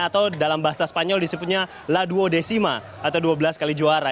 atau dalam bahasa spanyol disebutnya laduodesima atau dua belas kali juara